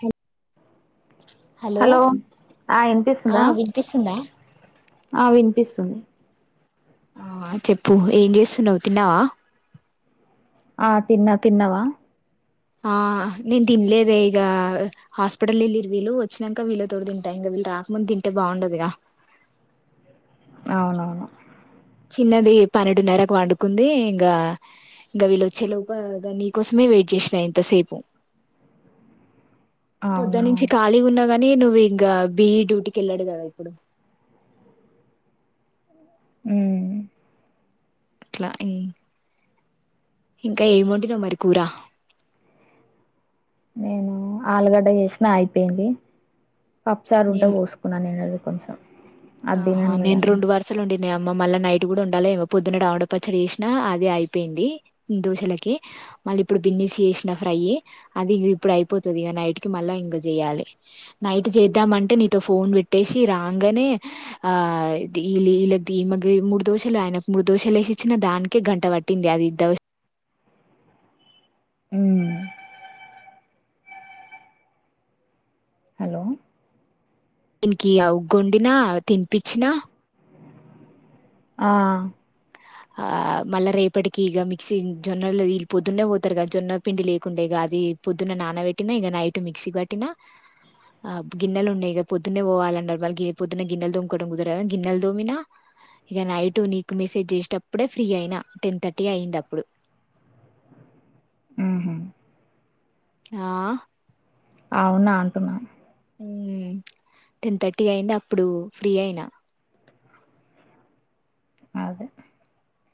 హే hello ఆ ఆ ఇనిపిస్తుందా వినిపిస్తుందా ఆ వినిపిస్తుంది ఆ చెప్పు ఏం చేస్తున్నవ్ తిన్నావా ఆ తిన్న తిన్నవా ఆ నేను తిన్లేదే ఇగా హాస్పిటల్ ఇల్లిరు వీలు వచ్చినంక వీల తోటి తింటా ఇంగ వీళ్ళు రాకముందు తింటే బాగుండదుగా అవునవును చిన్నది పన్నెండున్నరకు వండుకుంది ఇంగా ఇంకా వీళ్ళ వచ్చే లోపు నీ కోసమే వెయిట్ చేసిన ఇంత సేపు అవునా పొద్దనుంచి కాలిగా ఉన్న గాని నే నువ్వు ఇంగ బిఈ డ్యూటికి వెళ్ళడు కదా ఇప్పుడు ఉమ్ అట్లా ఈ ఇంకా ఏముండినవు మరి కూర నేను ఆలుగడ్డ చేసినా అయిపోయింది పప్పుచారు ఉంటే నేను పోసుకున్న నిన్నటిది ఆహా నేను రెండు వరసలు వండి నె అమ్మ మళ్ళ నైట్ కూడా ఉండాలేమో పొద్దున్న టమాట పచ్చడి చేసినా అది అయిపోయింది దోశలకి మళ్ళీ ఇప్పుడు బిన్నిస్ చేసిన ఫ్రై అది ఇ ఇప్పుడు అయిపోతుది ఇగ నైట్ కి మళ్ళా ఇంగ చెయాలి నైట్ చేద్దామంటే నీతో ఫోన్ పెట్టేసి రాంగనే ఆ ది ఇల్ వీళ్ళ ఈ మకు మూడు దోశలు ఆయనకు మూడు దోశలు వేసి ఇచ్చిన దానికే గంట ప టింది అది ఇద్ వాచ్ ఉమ్ హలో దీనికి అవుగ్గోండినా తినిపిచ్చిన ఆ ఆ మళ్ళ రేపటికి ఇగ మిక్సీ జొన్నలు వీళ్ళు పొద్దున్నే పోతారు కదా జొన్న పిండి లేకుండే ఇగ అది పొద్దున్న నాన బెట్టినా ఇగ నైట్ మిక్సీ కట్టినా ఆ గిన్నెలు ఉండే ఇగ ప్రొద్దున్నే పోవాలన్నారు మళ్ళ పొద్దున్న గిన్నెలు దోముకోవడం కుదరదని గిన్నెల దోమినా ఇక నైట్ నీకు మెసేజ్ చె టప్పుడే ఫ్రీ అయినా టెన్ థర్టీ అయ్యింది అప్పుడు ఉమ్ హు ఆ అవునా అంటున్న టెన్ థర్టీ అయింది అప్పుడు ఫ్రీ అయినా అదే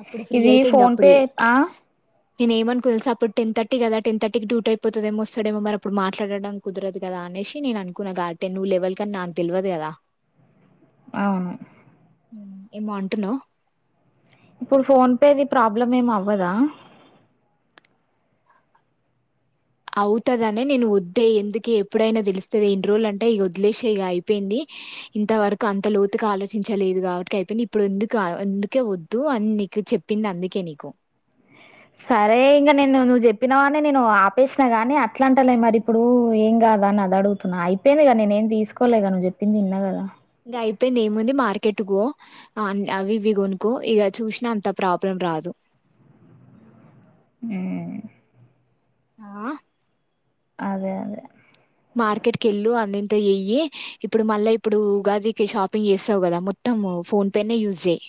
అప్పుడు ఫ్రీ ఇది అయితే ఇంగ ఫోన్ పే అప్పుడే ఆ నేను ఎం అనుకున్న తెలుసా అప్పుడు టె థర్టీ కదా టెన్ థర్టీ డ్యూటీ అయిపోతుదేమో వస్తాడేమో అప్పుడు మాట్లాటడం కుదరది కదా అనేషి నేను అనుకున్నా గార్డె నువ్ లెవల్ కాని నాకు తెలువదు కదా అవును ఏమో అంటున్నవ్ ఇప్పుడు ఫోన్ పే ప్రాబ్లం ఎం అవ్వదా అవుతదనే నేను వద్దే ఎందు ఎప్పుడైనా తెలుస్తాది ఎన్ని రోజులు అంటే ఇగ వదిలేసే ఇగ అయిపోయింది ఇంతవరకు అంత లోతుగా ఆలోచించలేదు కాబట్టి అయిపోయింది ఇప్పుడు ఎందుకు అందుకే వద్దు అని నిక్ కి చెప్పింది అందుకే నీకు సరే ఇంక నేను నువ్వు చెప్పినవనే నేను ఆపేసిన గాని అట్లా అంటలే మరి ఇప్పుడు ఏం కాదు అని అది అడుగుతున్నా అయిపోయింది కద నేనేం తీసుకోలేగా నువ్వు చెప్పింది ఇన్నా కదా ఇగ అయిపోయింది ఏముంది మార్కెట్ కో అవి ఇవి కొనుకో ఇగ చూసినా అంత ప్రాబ్లం రాదు మ్మ్. ఆ అదే అదే మార్కెట్ కెళ్ళు అందింత చెయ్యి ఇప్పుడు మళ్ళీ ఇప్పుడు ఉగాదికి షాపింగ్ చేస్తావు కదా మొత్తం మొత్తము ఫోన్ పే నే యూస్ చెయ్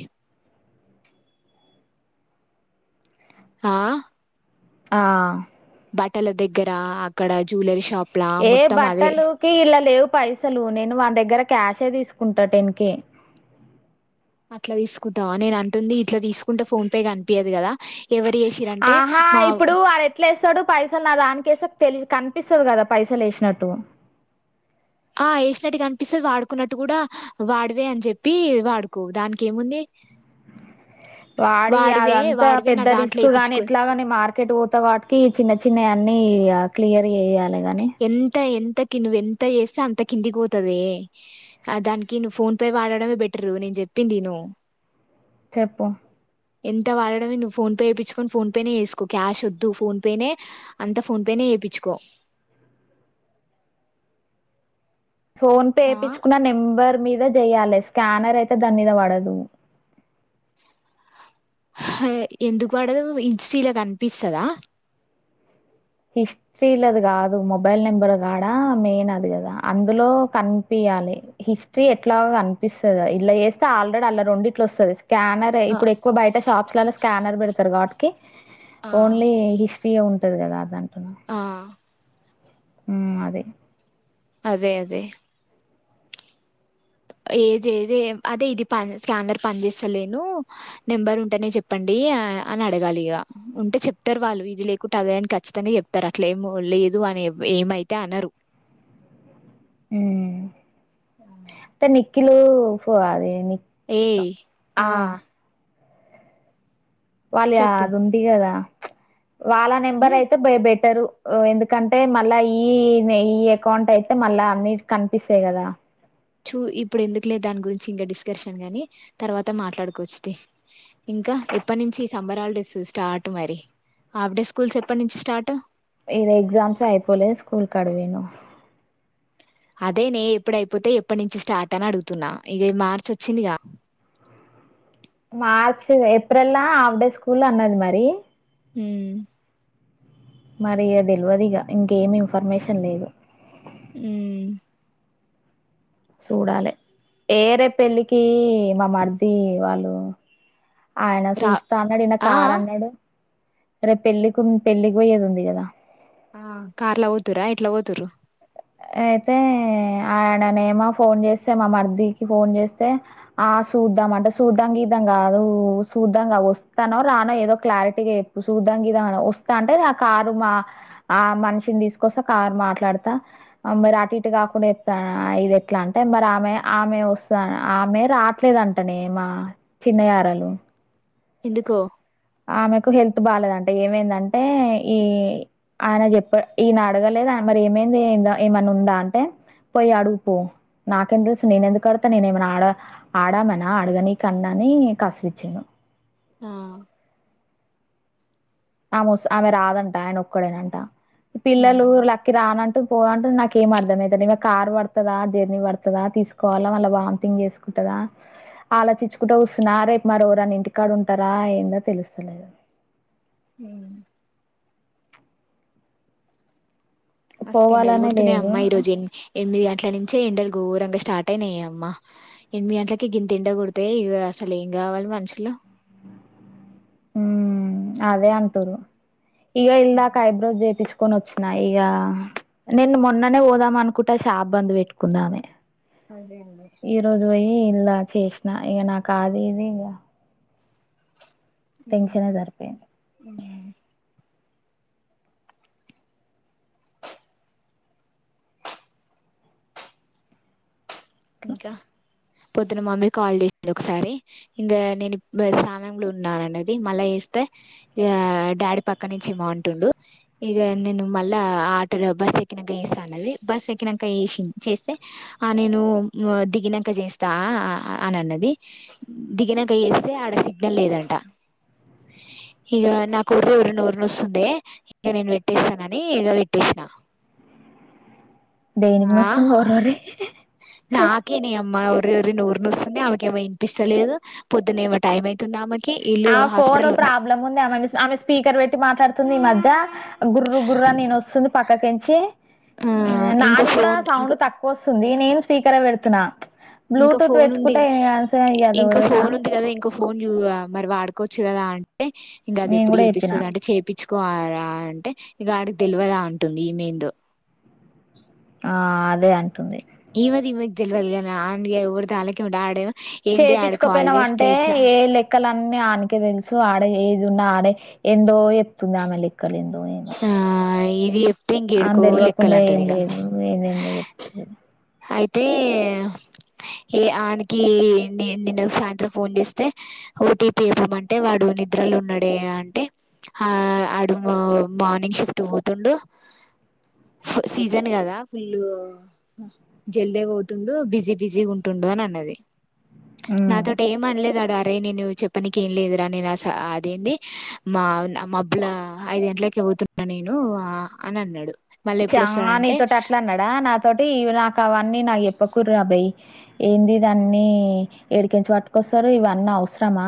ఆ ఆ బట్టల దగ్గర అక్కడ జ్యువెలరీ షాప్లా ఏ మొత్తం అదే బట్టలుకి ఇల్ల లేవ్ పైసలు నేను వాని దగ్గర క్యాషే తీసుకుంటా టెన్ కె అట్లా తీసుకుంటావా నేను అంటుంది ఇట్లా తీసుకుంటే ఫోన్ పే కనిపియదు కదా ఎవరు చేసిరంటే ఆహా మా ఇప్పుడు వాడు ఎట్లా ఎస్తాడు పైసలు నా దానికేస్తే తెలి కని పిస్తుంది కదా పైసలు వేసినట్టు ఆ వేసినట్టు కనిపిస్తది వాడుకున్నట్టు కూడా వాడివే అని చెప్పి వాడుకో దానికి ఏముంది వాడివి వాడివే అదంతా వాడివే నా పెద్ద దాంట్లో రిస్క్ గాని వేపించుకో ఎట్లాగాని మార్కెట్ పోత వాటికి చిన్న చిన్నవి అన్ నీ ఇగ క్లియర్ చేయాలి కానీ ఎంత ఎం తకి నువ్ ఎంత చేస్తే అంత కిందికి పోతదే ఆ దానికి నువ్వు ఫోన్ పే వాడడమే బెటరు జెప్పింది ఇను చెప్పు ఎంత వాడడమే నువ్వు ఫోన్ పేయించుకుని ఫోన్ పేనే వేసుకో క్యాష్ వద్దు ఫోన్ పేనే అంత ఫోన్ పేనే ఇప్పిచుకో ఫోన్ పేయిచ్చుకున్న నెంబర్ మీద చెయ్యాలి స్కానర్ అయితే దాని మీద పడదు ఎందుకు పడదు హిస్టరి ల కనిపిస్తాదా హిస్టరీలది కాదు మొబైల్ నెంబర్ కాడా మెయిన్ అది కదా అందులో కనిపి ని హిస్టరీ ఎట్లా కనిపిస్తుందా ఇలా చేస్తే ఆల్రెడీ అలా రెండిట్లు వస్తుంది స్కానర్ ఆ ఇప్పుడు ఎక్కువ బయట షాప్స్ లోలో స్కానర్ పెడతారు వాటికీ ఆ ఓన్లీ హిస్టరీ ఉంటది కదా దాన్కి ఆ ఉ అదె అదె అదె ఏది ఏది అదె ఇది పన్ స్కానర్ పని చేసలేను నెంబర్ ఉంటేనే జెప్పండి అని అడగాలి ఇగ ఉంటే చెప్తారు వాళ్ళు ఇదిలేకుట అదైనా ఖచ్చితంగా చెప్తారు అట్లా ఎమూ లేదు వాని ఏవ్ ఏమైతే అనరు మ్మ్ మ్మ్ కిలో ఉఫ్ఫ అదేయనికి ఏ ఆ వల్య చెప్పు అధిందికదా వాళ్ళ నెంబర్ ఉమ్, అయితే బె బెటరు ఒ ఎందుకంటే మళ్ళా ఈ ఈ ఈ యకౌంట్ అయితే మళ్ళా అన్ని కనిపిస్తాయి కదా చూ ఇప్పుడు ఎందుకు లే దాని గురించి ఇంకా డిస్కర్షన్ గని తర్వాత మాట్లాడుకోవచ్చుతి ఇంకా ఎప్పటి నుంచి సమ్మర్ హాలిడేస్ స్టార్ట్ మరి హాఫ్ డే స్కూల్స్ ఎప్పట్ నుంచి స్టార్ట్ ఇద ఎక్సామ్స్ ఏ అయిపోలే స్కూల్ కాడ్పోయినం అదే నే ఎప్పుడైపోతే ఎప్పట్ నుంచి స్టార్ట్ అని అడుగుతున్నా ఇగ మార్చ ఒచ్చింద్ గా [inaudible] మార్చ్ ఏప్రిల్ లా హఫ్డే స్కూల్ అన్నది మరి మ్మ్ మరి ఈ తెల్వద్ ఇగ ఇంకేమి ఇన్ఫర్మేషన్ లేదు మ్మ్ సూడలే ఏ రేప్ పెళ్ళికి మా మర్ది వాళ్ళు ఆయన రా సూస్తా అన్నాడు ఇనా ఆ కార్ అన్నాడు రేప్ పెళ్లికూంద్ పెళ్ళిక్ వొయేది ఉంది గదా ఆ కార్ల ఓతుూరా ఎట్లా ఓతుూరు అయితే అయిననేమో ఫోన్ చేసే మా మర్దికి ఫోన్ చేస్తే అ సుద్దాం అంట సుద్దాం గిద్ధం గాదు సుద్దాంగా ఒస్తానో రానో ఏదో క్లారిటీగా చెప్పు దంగిదానా ఒస్తా అంటే ఆ కారు మా ఆ మనిషిన్ తీసుకొస్తా కార్ మాట్లాడ్తా మరి అటు ఇటు కాకుండా చెప్తనా ఇది ఎట్లా అంటే మరి ఆమె ఆమె ఒస్తాన్ ఆమె ర రాట్లేదుంటనే మా పిన్నిగరాలు ఎందుకో ఆమెకు హెల్త్ బాలేదంటే ఏమైందంటే ఈ అనే జెపాడ్ ఇన అడగలేదా మరి ఏమై ఉందే ఎంద ఏమన్నా ఉందా అంటే పోయి అడుగుపో నాకేం తెలుసు నేన ఎందుకుడత నేన ఏమనా ఆడ ఆడామనా ఆడగనీ కన్నా ని కస్రిచ్చిండు ఆ ఆమెఒస్ ఆమె రాదంట ఆయన ఒక్కడేనంట పిల్లలు ఉహు లక్కీ రానంటు పో అంటుంది నాక్ ఎం అర్ధమయితలే ఇంగ కార్ వడ్తదా జర్నీ వడ్తదా తీస్కోవాలా మల్ల వామ్టింగ్ చేస్కుంటాదా ఆలోచించుకుంట కుసున రేప్ మరి ఏవరన్న ఇంటికాడ ఉంటర ఏందో తెలుస్తలే హ్మ్మ్ మస్త్ ఎండలు పోవాలనే కొడుతున్నాయి లేదు అమ్మా ఈ రోజు ఎన్ ఎనిమిది గం ఇట్లేలించే ఎండలు గోరంగా స్టార్ట్ అయినాయె అమ్మా ఎనిమిది గంట్లకే గింత ఎండ కొడ్తే అసల్ ఇంగ ఎవల్ మనుషులు మ్మ్ అదే అంటురు ఈగ ఇల్దక ఐబ్రోజ్ జేపీచు కొనొచ్చిన ఇగ నేన్ మిన్ననే వోదాం అనుకుట షాప్ బంద్ వెటుకుంద్ ఆమె అదేంది ఇందాక చేసిన ఇగ నాక్ కాదు ఇది ఇంగ మ్మ్ సరిపోయింది మ్మ్ ఇంక పొద్దున మమ్మీ కాల్ చేసింది ఒకసారి ఇంగా నేను ఇప్ స్థానంలో ఉన్నానన్నది మళ్ళా చే ఇస్తే ఇగ డాడీ పక్క నుంచి ఏమో అంటుండు ఇగ నేను మళ్ల ఆటలో బస్సు ఎక్కినక్క చేస్తా అన్నది బస్ ఎక్కినంక చేసింద్ చేస్తే ఆ నేను వొ దిగినంక చేస్తా ఆ ఆ అని అన్నది దిగినంక చేస్తే ఆడ సిగ్నల్ లేదంట ఇగ నాకు వొర్లి వొర్లి నోరు నొస్తుందే ఇగ నేను పెట్టేస్తానని ఇగ పెట్టేసిన [inaudible] దేనికి నొస్తుంది వొర్లి వొర్లి నాకే నే అమ్మ వొర్లి వొర్లి నోరు నొస్తుంది ఆమెకేమో వినిపిస్తలేదు పొద్దున్నేమో టైం అయితుంది ఆమెక్ ఆ ఫోను ప్రాబ్లమ్ ఉంది ఆమెన్ చూస్ ఆమె స్పీకర్ పెట్టి మాట్లాడుతుంది ఈ మధ్య గుర్రు గుర్రా అని వినొస్తుంది పక్కకెంచి ఆ ఇంకా నాది కూడా ఫోన్ ఇంక సౌండ్ తక్కువ వస్తుంది నేను స్పీకర్ ఏ పెడుతున్నా ఇంకా బ్లూటూత్ ఫోన్ ఉంది వెట్టుకుంటే అంతే ఇంకా ఫోన్ ఉంది కదా ఇంకో ఫోన్ యువ మరి వాడుకోవచ్చు గదా అంటే ఇంగ అది నేను ఎప్పుడు కూడా చెప్పినా చేపిస్తాడొ, అంటే చేపిచ్చుకో ఆరా అంటే ఇగ ఆడికి తెల్వదా అంటుంది ఈమెందో ఆ అదే అంటుంది ఈమె ఈమెకి తెల్వల్ గాని అంది ఎవడితే అల్లకే ఉండే ఆడేమో ఏంది ఆడ కాల్ చేపిచ్చుకోపోయినాం చేస్తే అంటే ఇట్లా ఏ లెక్కలన్నీ అనికే తెలుసు ఆడ ఏ నాడే ఎందో ఎప్తుంది ఆమె లెక్కలేందో ఏమో ఆ ఇది చెప్తే అన్ ఇంకేడుకో తెల్వకుండా లెక్కలు ఏం అంటది ఇక లేదు ఏందేందో చెప్తుంది. అయితే, ఏ అనికి నేన్ నిన్న సాయంత్రం ఫోన్ చేస్తే ఓటీపీ ఇవ్వమంటే వాడు నే నిద్రలు ఉన్నాడే అంటే ఆ ఆ అడు మార్నింగ్ షిఫ్ట్ పోతుండు సీజన్ కదా ఫుల్ జల్దే పోతుండు, బిజీ బిజీ గ ఉంటుండు రోన్ అన్నది ఉమ్ నాతోటి ఏం అన్లేదు ఆడ రేయ్ నేను చెప్పనిక ఎం లేదురా. నేను అస అదేంది మా మబ్బుల అయిదు గంట్లక్ ట్ల పోతున్న నేను అని అన్నడు చా నీతోటి అట్లా అన్నాడా నాతోటి నాకు అవన్నీ నా చేప్పకూరి అబయి ఏంది దాన్ని ఏడికెంచి పట్టుకొస్తారు ఇవన్నీ అవసరమా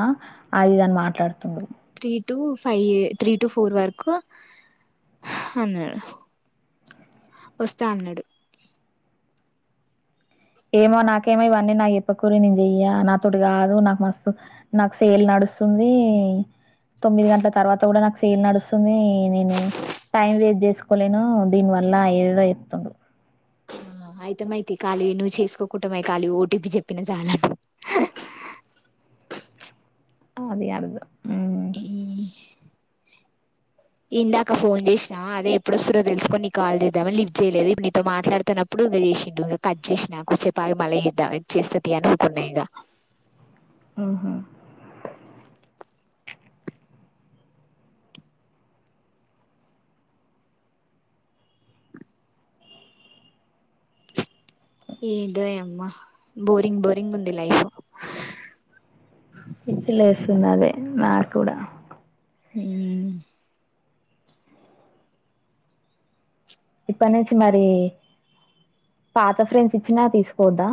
అది ఇది అని మాట్లాడుత two five three to four వరకు అన్నడ్ వస్తా అన్నాడు ఏమో నాకేమో ఇవన్నీ నాక్ చేప్పకూరి నేను చెయ్యా నాతోటి కాదు నాకు మస్తు నాకు సేల్ నడు స్తుంది తొమ్మిది గంటల తర్వాత కూడా నాకు సేల్ నడుస్తుంది నే నే నేను టైం వేస్ట్ చేసుకోలేను దీని వల్ల ఏదేదో అయితుంది ఆ అయితేమైతే ఖళీవి నువ్వు చేసుకోకుంటపాయ్ ఖళీ ఓటీపి చెప్పిన చాలా అదే అర్థం హ్మ్. ఇందాక ఫోన్ చేస్నా అదే ఎప్పుడు వస్తురో తెలుసుకొని నీ కాల్ చేద్దామని లిఫ్ చేయలేదు ఇప్ నీతో మాట్లాడుతున్నప్పు ఇంగ చే చేసిండు ఇగ కట్ చేసినా కోసేపు ఆగి మళ్ళీ చేద్దా చేస్తా తి అని ఊక ఉన్న ఇగ ఉహు ఏందో ఇ అమ్మ బోరింగ్ బోరింగ్ ఉంది లైఫ్ పిచ్చిలేస్తున్నదే నాక్ కూడా హ్మ్ ఇప్పటి నుంచి మరి పాత ఫ్రెండ్స్ ఇచ్చినా తీసుకోద్దా?